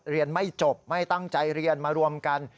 เรียนไม่จบไม่ตั้งใจเรียนมารวมกัน